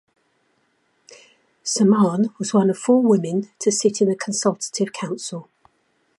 Samaan was one of four women to sit in the Consultative Council.